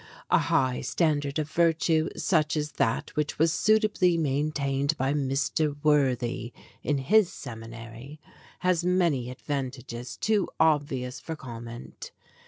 A high standard of virtue, such as that which was suitably maintained by Mr. Worthy in his seminary, has many advantages too obvious for comment.